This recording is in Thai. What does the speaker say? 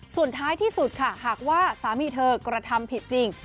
ส่วนท้ายที่สุดค่ะหากว่าสามีเธอกระทำผิดจริง